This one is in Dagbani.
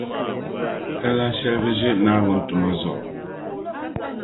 Talahi shɛli bɛʒe Naawuni tumo zuɣu